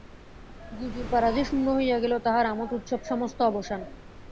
গুজুরপাড়া যে শূন্য হইয়া গেল–তাহার আমোদ-উৎসব সমস্ত অবসান।